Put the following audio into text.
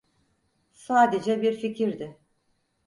Sadece bir fikirdi.